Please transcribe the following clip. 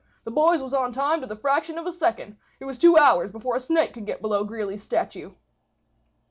The boys was on time to the fraction of a second. It was two hours before a snake could get below Greeley's statue."